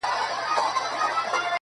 څه چي کرې هغه به رېبې.